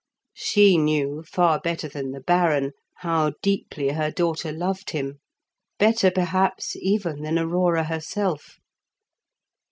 She knew, far better than the Baron, how deeply her daughter loved him; better, perhaps, even than Aurora herself.